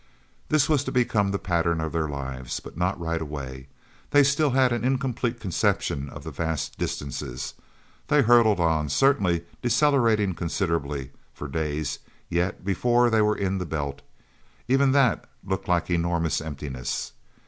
This was to become the pattern of their lives. But not right away. They still had an incomplete conception of the vast distances. They hurtled on, certainly decelerating considerably, for days, yet, before they were in the Belt. Even that looked like enormous emptiness.